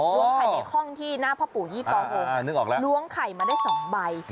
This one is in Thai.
ล้วงไข่ในห้องที่หน้าพ่อปู่ยี่กององค์ล้วงไข่มาได้๒ใบ